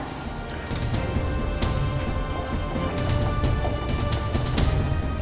tunggu sebentar ya pak